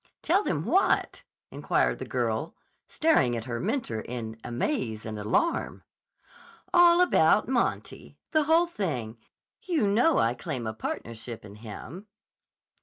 "Tell them what?" inquired the girl, staring at her mentor in amaze and alarm. "All about Monty. The whole thing. You know, I claim a partnership in him."